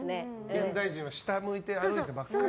現代人は下を向いて歩いてばかりだからね。